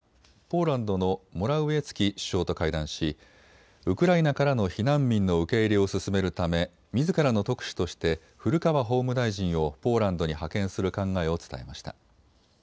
そして岸田総理大臣はポーランドのモラウィエツキ首相と会談し、ウクライナからの避難民の受け入れを進めるためみずからの特使として古川法務大臣をポーランドに派遣する考えを伝えました。